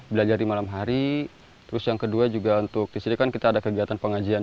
belajar di malam hari terus yang kedua juga untuk di sini kan kita ada kegiatan pengajian